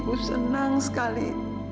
ibu senang sekali